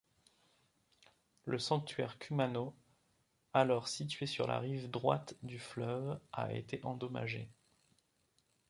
Le sanctuaire Kumano, alors situé sur la rive droite du fleuve, a été endommagé.